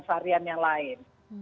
varian yang lain